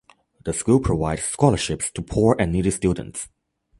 The school provides scholarships to poor and needy students.